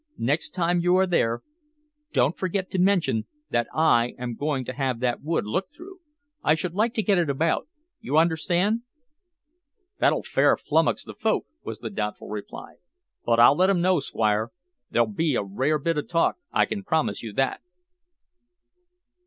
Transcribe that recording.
"Next time you are there, don't forget to mention that I am going to have that wood looked through. I should like it to get about, you understand?" "That'll fair flummox the folk," was the doubtful reply, "but I'll let 'em know, Squire. There'll be a rare bit of talk, I can promise you that."